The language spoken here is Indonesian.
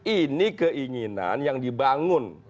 ini keinginan yang dibangun